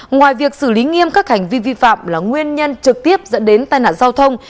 ngoài việc xử lý nghiêm các hành vi vi phạm là nguyên nhân trực tiếp dẫn đến tai nạn giao thông